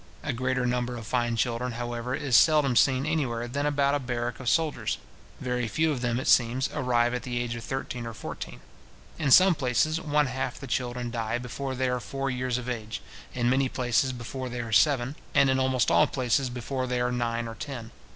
A greater number of fine children, however, is seldom seen anywhere than about a barrack of soldiers. Very few of them, it seems, arrive at the age of thirteen or fourteen. In some places, one half the children die before they are four years of age, in many places before they are seven, and in almost all places before they are nine or ten.